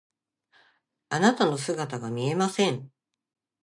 あなたの姿が見えません。